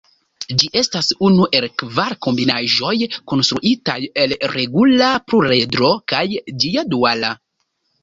Ĝi estas unu el kvar kombinaĵoj konstruitaj el regula pluredro kaj ĝia duala.